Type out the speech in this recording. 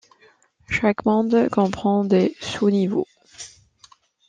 Chaque monde comprend des sous-niveaux.